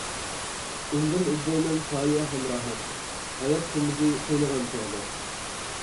ئۇندىن ئىزدەيمەن سايە ھەم راھەت، ھايات تومۇزى قىينىغان چاغدا.